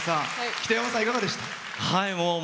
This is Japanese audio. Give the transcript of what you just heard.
北山さん、いかがでした？